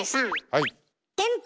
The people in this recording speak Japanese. はい。